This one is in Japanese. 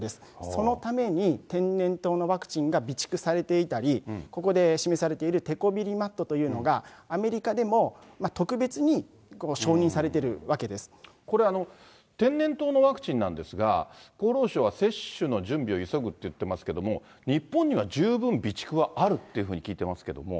そのために、天然痘のワクチンが備蓄されていたり、ここで示されているテコビリマットというのが、アメリカでも特別に承認されてるこれ、天然痘のワクチンなんですが、厚労省は接種の準備を急ぐって言ってますけども、日本には十分備蓄はあるっていうふうに聞いてますけれども。